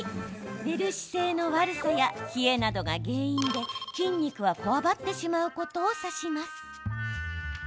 寝る姿勢の悪さや冷えなどが原因で筋肉がこわばってしまうことを指します。